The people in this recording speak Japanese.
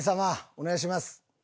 お願いします。